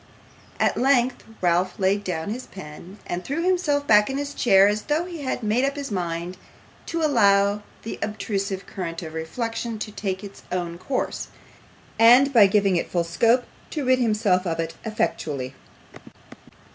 At length Ralph laid down his pen, and threw himself back in his chair as though he had made up his mind to allow the obtrusive current of reflection to take its own course, and, by giving it full scope, to rid himself of it effectually.